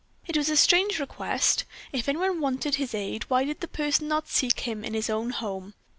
It was a strange request. If any one wanted his aid, why did the person not seek him in his own home?